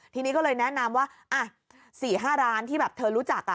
ทีนี้ก็เลยแนะนำว่า๔๕ร้านที่แบบเธอรู้จัก